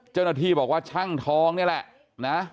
เจ้าหน้าที่บอกว่าช่างทองนี่แหละนะ